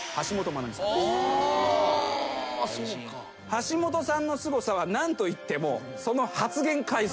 橋本さんのすごさは何といってもその。